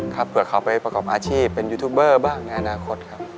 เผื่อเขาไปประกอบอาชีพเป็นยูทูบเบอร์บ้างในอนาคตครับ